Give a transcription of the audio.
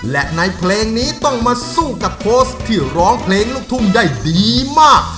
และในเพลงนี้ต้องมาสู้กับโพสต์ที่ร้องเพลงลูกทุ่งได้ดีมาก